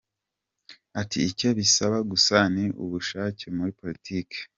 Ati “Icyo bisaba gusa ni ubushake muri politiki.